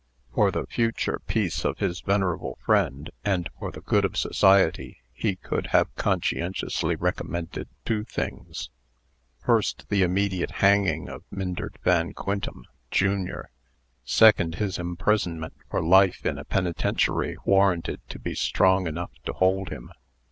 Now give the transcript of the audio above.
For the future peace of his venerable friend, and for the good of society, he could have conscientiously recommended two things: First, the immediate hanging of Myndert Van Quintem, jr. Second, his imprisonment for life in a penitentiary warranted to be strong enough to hold him.